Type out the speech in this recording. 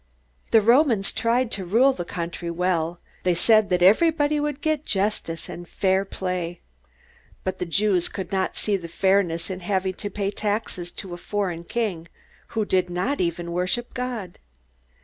The Romans tried to rule the country well. They said that everybody would get justice and fair play. But the Jews could not see the fairness in having to pay taxes to a foreign king who did not even worship God.